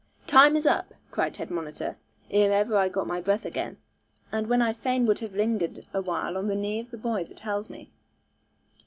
'Time is up,' cried head monitor, ere ever I got my breath again; and when I fain would have lingered awhile on the knee of the boy that held me.